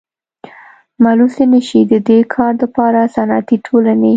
ملوثي نشي ددي کار دپاره صنعتي ټولني.